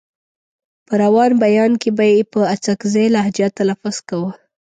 په روان بيان کې به يې په اڅکزۍ لهجه تلفظ کاوه.